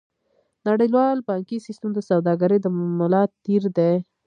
نړیوال بانکي سیستم د سوداګرۍ د ملا تیر دی.